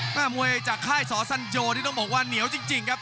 มวยจากค่ายสอสัญโยนี่ต้องบอกว่าเหนียวจริงครับ